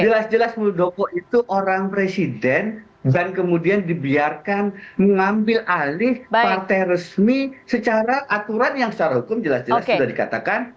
jelas jelas muldoko itu orang presiden dan kemudian dibiarkan mengambil alih partai resmi secara aturan yang secara hukum jelas jelas sudah dikatakan